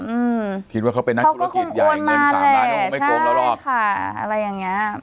อืมเขาก็คงโอนมาแหละใช่ค่ะอะไรอย่างนี้